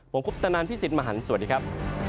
ผมคุกตะนานพี่ศิษย์มหันธ์สวัสดีครับ